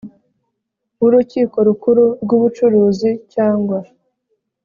w Urukiko Rukuru rw Ubucuruzi cyangwa